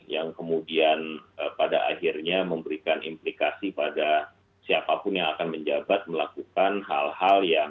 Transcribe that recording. yang kemudian pada akhirnya memberikan implikasi pada siapapun yang akan menjabat melakukan hal hal yang